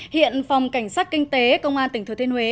hiện phòng cảnh sát kinh tế công an tỉnh thừa thiên huế